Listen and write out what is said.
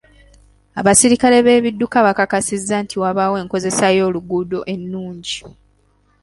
Abasirikale b'ebidduka bakakasa nti wabaawo enkozesa y'oluguudo ennungi.